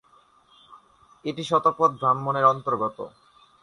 এটি "শতপথ ব্রাহ্মণ"-এর অন্তর্গত।